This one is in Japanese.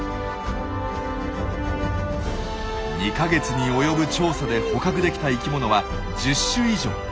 ２か月に及ぶ調査で捕獲できた生きものは１０種以上。